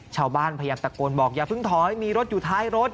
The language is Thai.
พยายามตะโกนบอกอย่าเพิ่งถอยมีรถอยู่ท้ายรถ